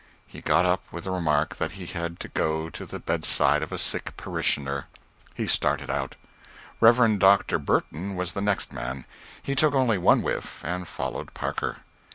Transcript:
He got up with the remark that he had to go to the bedside of a sick parishioner. He started out. Rev. Dr. Burton was the next man. He took only one whiff, and followed Parker.